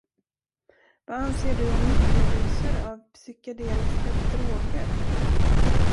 Vad anser du om mikrodoser av psykedeliska droger?